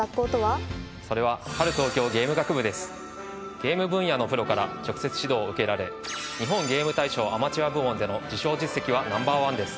ゲーム分野のプロから直接指導を受けられ日本ゲーム大賞アマチュア部門での受賞実績はＮｏ．１です。